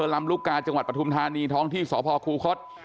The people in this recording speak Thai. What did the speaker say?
ลำลูกกาจังหวัดปฐุมธานีท้องที่สพคูคศ